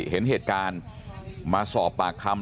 เห็นเหตุการณ์มาสอบปากคำ